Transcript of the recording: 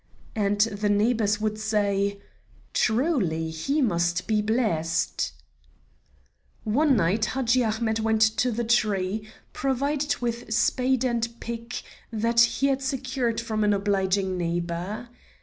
And the neighbors would say: "Truly he must be blessed." One night Hadji Ahmet went to the tree, provided with spade and pick, that he had secured from an obliging neighbor.